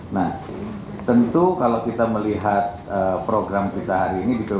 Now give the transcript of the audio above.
nah tentu kalau kita melihat program kita hari ini